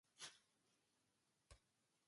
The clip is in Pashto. دښمني لاس واخلي او ملګری شي.